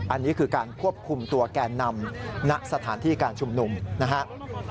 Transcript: อันนี้คือการควบคุมตัวแกนนำณสถานที่การชุมนุมนะครับ